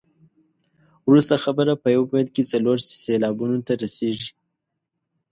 وروسته خبره په یو بیت کې څلور سېلابونو ته رسيږي.